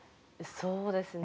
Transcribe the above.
そうですね。